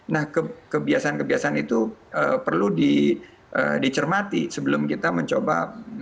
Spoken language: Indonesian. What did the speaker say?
nah kebiasaan kebiasaan itu perlu dicermati sebelum kita mencoba